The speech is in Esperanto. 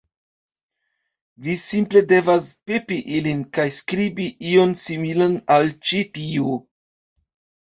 Vi simple devas pepi ilin, kaj skribi ion similan al ĉi tio